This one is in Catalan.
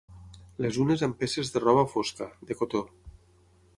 Les unes amb peces de roba fosca, de cotó